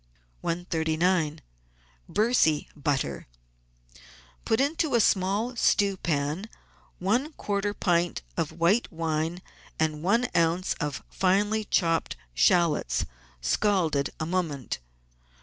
139— BERCY BUTTER Put into a small stewpan one quarter pint of white wine and one oz. of finely chopped shallots, scalded a moment.